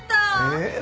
えっ？